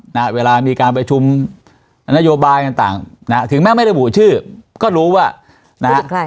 นะฮะเวลามีการประชุมนโยบายต่างต่างนะฮะถึงแม้ไม่ระบุชื่อก็รู้ว่านะฮะ